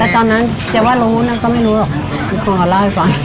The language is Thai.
แต่ตอนนั้นจะว่ารู้นะก็ไม่รู้หรอกมีของอร่อยค่อย